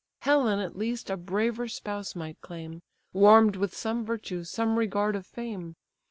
Helen at least a braver spouse might claim, Warm'd with some virtue, some regard of fame!